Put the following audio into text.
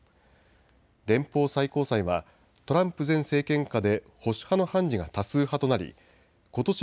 連邦最高裁はトランプ前政権下で保守派の判事が多数派となりことし